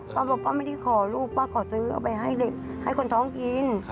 ป้าบอกป้าไม่ได้ขอลูกป้าขอซื้อเอาไปให้เด็กให้คนท้องกิน